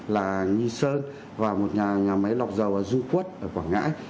là nhi sơn và một nhà máy lọc dầu ở du quất quảng ngãi